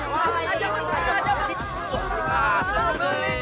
wah jangan jangan jangan